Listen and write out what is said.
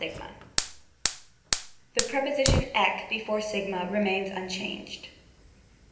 The preposition sx before a remains unchanged.